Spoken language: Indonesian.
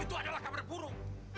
itu adalah kabar buruk